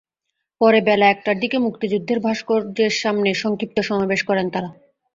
পরে বেলা একটার দিকে মুক্তিযুদ্ধের ভাস্কর্যের সামনে সংক্ষিপ্ত সমাবেশ করেন তাঁরা।